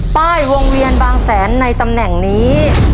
ป้ายวงเวียนบางแสนในตำแหน่งนี้